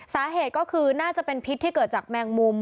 สาเหตุก็คือน่าจะเป็นพิษที่เกิดจากแมงมุม